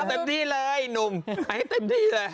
เต็มที่เลยหนุ่มให้เต็มที่เลย